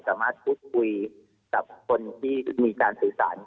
สามารถพูดคุยกับคนที่มีการสื่อสาร